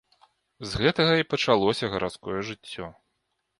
З гэтага і пачалося гарадское жыццё.